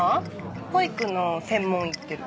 保育の専門行ってる。